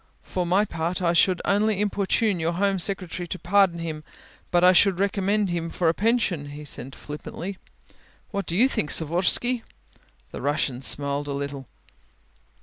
"For my part I should not only importune your Home Secretary to pardon him, but I should recommend him for a pension," he said flippantly. "What do you think, Savorsky?" The Russian smiled a little.